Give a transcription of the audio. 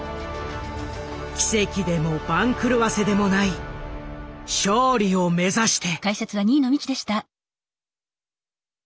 奇跡でも番狂わせでもない勝利を目指して。